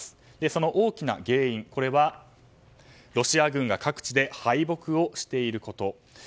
その大きな原因はロシア軍が各地で敗北をしていること。